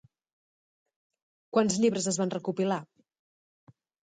Quants llibres es van recopilar?